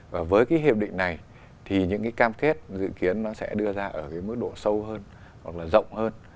và với cái hiệp định này thì những cái cam kết dự kiến nó sẽ đưa ra ở cái mức độ sâu hơn hoặc là rộng hơn